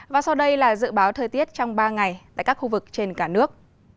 và sau đây là dự báo thời tiết trong ba ngày tại các khu vực trên cả nước